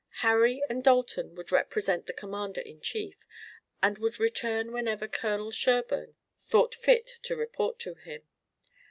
Harry and Dalton would represent the commander in chief, and would return whenever Colonel Sherburne thought fit to report to him.